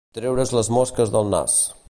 Treure's les mosques del nas.